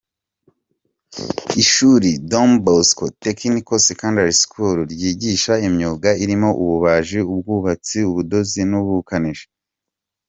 Ishuri Don Bosco Technical Secondary School, ryigisha imyuga irimo ububaji, ubwubatsi, ubudozi n’ubukanishi.